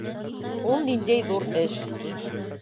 Ул ниндәй ҙур эш.